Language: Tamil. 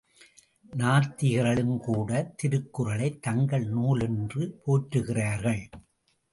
நாத்திகர்களும் கூடத் திருக்குறளைத் தங்கள் நூல் என்று போற்றுகிறார்கள்.